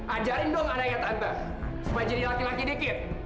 ajarin dong adanya tante supaya jadi laki laki dikit